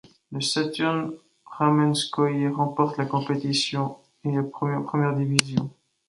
Le Saturn Ramenskoïe remporte la compétition et est promu en première division.